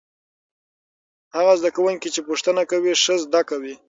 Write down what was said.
هغه زده کوونکي چې پوښتنه کوي ښه زده کوي.